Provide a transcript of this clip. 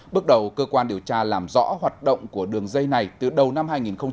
bước đầu cơ quan điều tra làm rõ hoạt động của đường dây này từ đầu năm hai nghìn một mươi chín